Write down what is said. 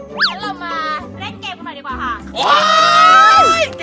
โอเคทีนี้เราต่อที่นี่เฉยไม่ได้ครับ